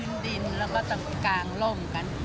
ดินแล้วก็ต้องกางร่มกัน